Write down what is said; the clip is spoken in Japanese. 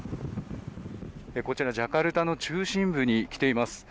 こちらジャカルタの中心部に来ています。